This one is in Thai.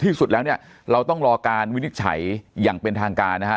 ที่สุดแล้วเนี่ยเราต้องรอการวินิจฉัยอย่างเป็นทางการนะฮะ